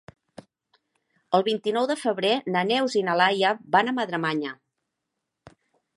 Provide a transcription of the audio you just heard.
El vint-i-nou de febrer na Neus i na Laia van a Madremanya.